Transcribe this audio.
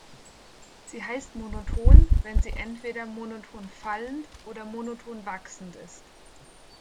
Sie heißt monoton, wenn sie entweder monoton fallend oder monoton wachsend ist.